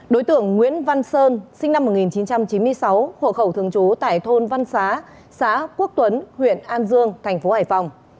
đối tượng nguyễn văn sơn sinh năm một nghìn chín trăm chín mươi sáu hộ khẩu thường trú tại thôn văn xá xã quốc tuấn huyện an dương thành phố hải phòng